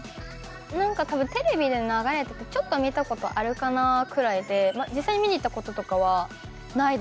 何かたぶんテレビで流れててちょっと見たことあるかなくらいで実際に見に行ったこととかはないです。